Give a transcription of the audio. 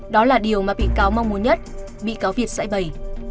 đó là điều mà bị cáo mong muốn nhất bị cáo việt sẽ bày